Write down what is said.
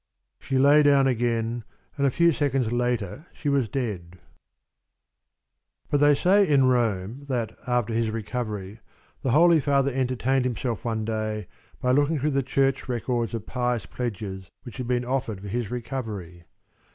She lay down again, and a few seconds later she was dead. But they say in Rome that, after his recovery, the Holy Father entertained himself one day by looking through the church records of pious pledges which had been offered for his recovery.